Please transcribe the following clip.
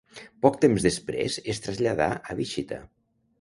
Poc temps després es traslladà a Wichita.